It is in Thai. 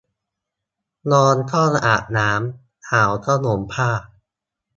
ร้อนก็อาบน้ำ หนาวก็ห่มผ้า